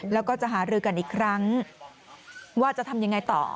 แล้วก็จะหารือกันอีกครั้งว่าจะทำยังไงต่อ